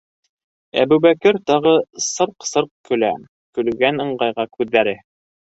Әбүбәкер тағы сырҡ-сырҡ көлә, көлгән ыңғайға күҙҙәре